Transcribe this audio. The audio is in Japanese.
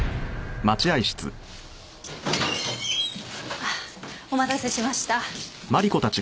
あっお待たせしました。